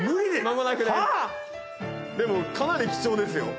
でもかなり貴重ですよ。